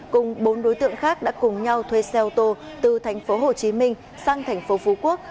cùng bốn đối tượng khác đã cùng nhau thuê xe ô tô từ thành phố hồ chí minh sang thành phố phú quốc